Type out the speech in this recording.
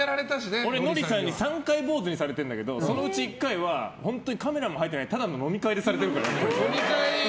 俺、ノリさんに３回、坊主にされてるんだけど本当にカメラも入っていないただの飲み会でされてるから。